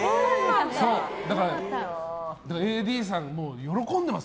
だからＡＤさん、喜んでます。